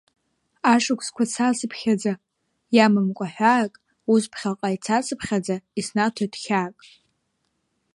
Ашықәсқәа цацыԥхьаӡа, иамамкәа ҳәаак, ус, ԥхьаҟа ицацыԥхьаӡа, иснаҭоит хьаак…